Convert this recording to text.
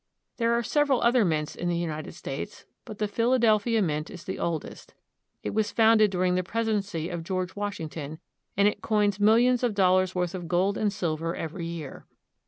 There are several other mints in the United States, but the Philadelphia mint is the oldest. It was founded during the presidency of George Washing ton, and it coins millions of dollars' worth of gold and sil ver every year.